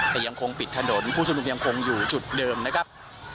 แต่ยังคงปิดถนนผู้ชุมนุมยังคงอยู่จุดเดิมนะครับ